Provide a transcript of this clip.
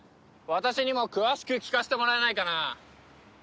私にも詳しく聞かせてもらえないかな？